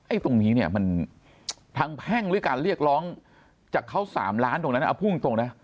ตรงนี้เนี่ยมันทางแพ่งหรือการเรียกร้องจากเขา๓ล้านตรงนั้นเอาพูดตรงนะ